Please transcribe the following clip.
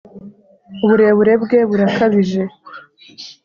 uburebure bwe burakabije